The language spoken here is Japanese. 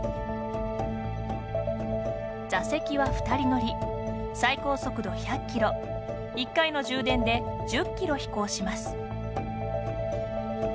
座席は２人乗り最高速度１００キロ１回の充電で１０キロ飛行します。